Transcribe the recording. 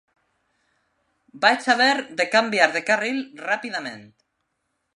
Vaig haver de canviar de carril ràpidament.